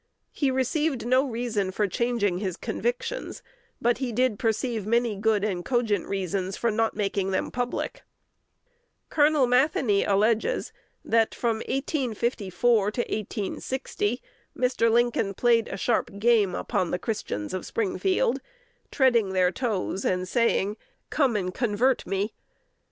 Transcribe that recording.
He perceived no reason for changing his convictions, but he did perceive many good and cogent reasons for not making them public. Col. Matheny alleges, that, from 1854 to 1860, Mr. Lincoln "played a sharp game" upon the Christians of Springfield, "treading their toes," and saying, "Come and convert me."